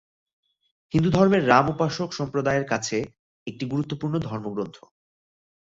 হিন্দুধর্মের রাম-উপাসক সম্প্রদায়ের কাছে একটি গুরুত্বপূর্ণ ধর্মগ্রন্থ।